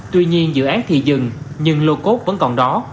tuy nhiên dự án thì dừng nhưng lô cốt vẫn còn đó